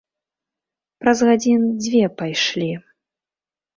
Праз гадзін дзве пайшлі.